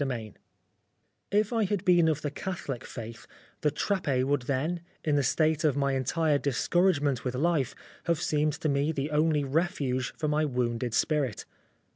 207 XVIII IF I had been of the Catholic faith, the Trappe would then, in the state of my entire discouragement with life, have seemed to me the only refuge for my wounded spirit.